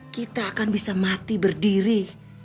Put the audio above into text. kita akan bisa mati berdiri